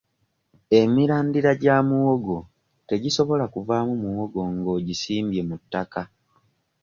Emirandira gya muwogo tegisobola kuvaamu muwogo ng'ogisimbye mu ttaka.